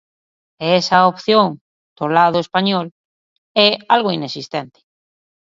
E esa opción do lado español é algo inexistente.